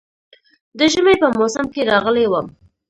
د ژمي په موسم کې راغلی وم.